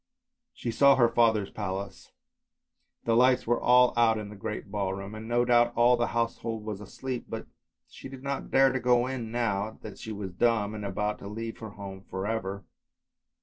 She saw her father's palace, the lights were all out in the great ballroom, and no doubt all the household was asleep, but she did not dare to go in now that she was dumb and about to leave her home for ever.